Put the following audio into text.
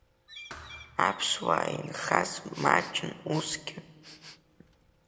Аԥсуаа инхаз маҷын усгьы.